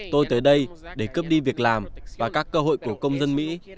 tôi bị cướp đi việc làm và các cơ hội của công dân mỹ